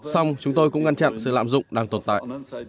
xong chúng tôi cũng ngăn chặn sự lạm dụng đang tồn tại